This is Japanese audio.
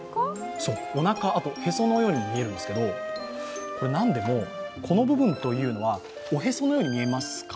おなか、あと、へそのようにも見えるんですけど何でも、この部分というのはおへそのように見えますか？